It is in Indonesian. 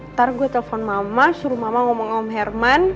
ntar gue telepon mama suruh mama ngomong om herman